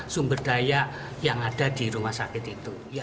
sumber daya yang ada di rumah sakit itu